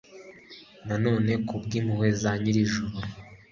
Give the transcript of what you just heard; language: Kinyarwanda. na none ku bw'impuhwe za nyir'ijuru